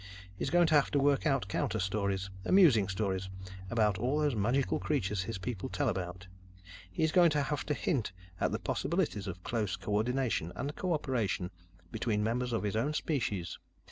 He's going to have to work out counter stories amusing stories about all those magical creatures his people tell about. He's going to have to hint at the possibilities of close co ordination and co operation between members of his own species.